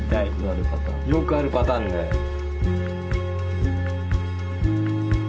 よくあるパターンだよ。